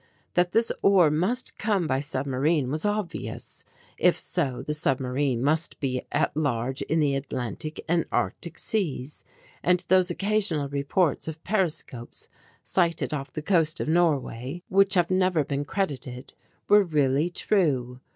That this ore must come by submarine was obvious. If so, the submarine must be at large in the Atlantic and Arctic seas, and those occasional reports of periscopes sighted off the coast of Norway, which have never been credited, were really true.